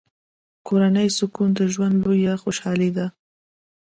کورنی سکون د ژوند لویه خوشحالي ده.